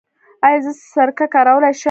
ایا زه سرکه کارولی شم؟